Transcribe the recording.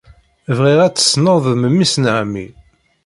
Bɣiɣ ad tessneḍ memmi-s n ɛemmi.